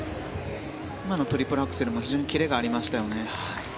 今のトリプルアクセルも非常にキレがありましたよね。